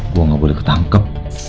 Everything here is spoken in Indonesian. gue gak boleh ketangkep